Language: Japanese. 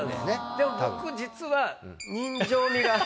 でも僕実は。